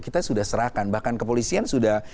kita sudah serahkan bahkan kepolisian sudah